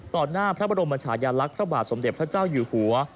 หน้าพระบรมชายาลักษณ์พระบาทสมเด็จพระเจ้าอยู่หัว